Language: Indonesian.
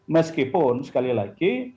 meskipun sekali lagi